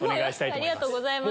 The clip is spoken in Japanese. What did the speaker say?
ありがとうございます。